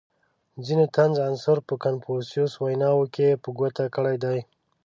• ځینو د طنز عنصر په کنفوسیوس ویناوو کې په ګوته کړی دی.